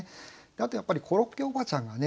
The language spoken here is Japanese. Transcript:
あとやっぱり「コロッケおばちゃん」がね